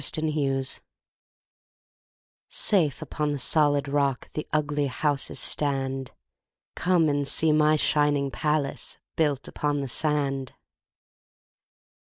Second Fig SAFE upon the solid rock the ugly houses stand: Come and see my shining palace built upon the sand!